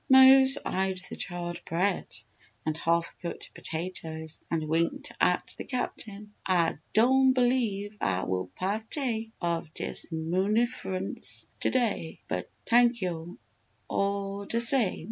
Mose eyed the charred bread and half cooked potatoes and winked at the Captain. "Ah don' b'lieve Ah will pa'take ov dis munifercence to day! But, t'ank yo' all d' same!"